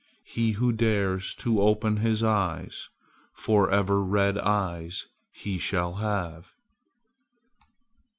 He who dares to open his eyes, forever red eyes shall have."